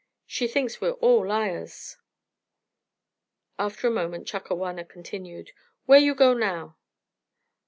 "She thinks we're all liars." After a moment, Chakawana continued, "Where you go now?"